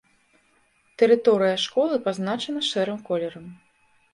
Тэрыторыя школы пазначана шэрым колерам.